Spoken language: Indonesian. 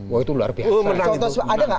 wah itu luar biasa